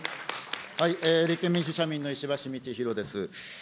立憲民主・社民の石橋通宏です。